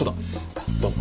あどうも。